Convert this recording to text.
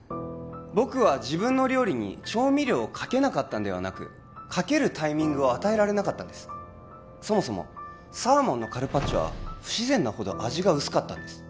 僕は自分の料理に調味料をかけなかったのではなくかけるタイミングを与えられなかったんですそもそもサーモンのカルパッチョは不自然なほど味が薄かったんです